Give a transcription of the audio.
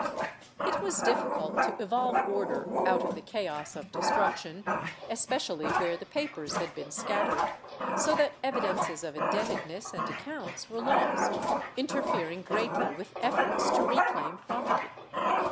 It was difficult to evolve order out of the chaos of destruction, especially where the papers had been scattered, so that evidences of indebtedness and accounts were lost, interfering greatly with efforts to reclaim property.